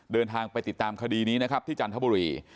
เดินทางไปติดตามคดีนี้นะครับที่จันทบุรี